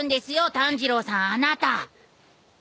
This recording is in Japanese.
炭治郎さんあなた。